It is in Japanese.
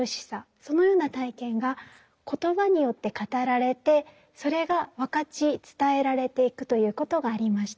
そのような体験が言葉によって語られてそれが分かち伝えられていくということがありました。